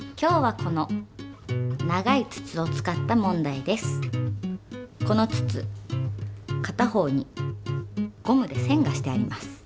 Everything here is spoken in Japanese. この筒かたほうにゴムでせんがしてあります。